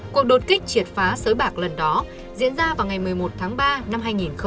cuộc đột kích triệt phá sới bạc lần đó diễn ra vào ngày một mươi một tháng ba năm hai nghìn hai mươi